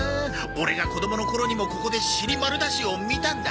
オレが子供の頃にもここで『シリマルダシ』を見たんだ。